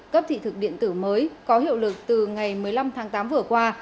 cấp thị thực điện tử mới có hiệu lực từ ngày một mươi năm tháng tám vừa qua